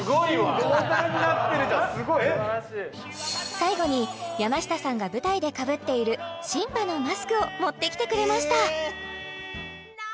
最後に山下さんが舞台でかぶっているを持ってきてくれました